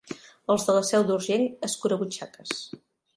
Els de la Seu d'Urgell, escurabutxaques.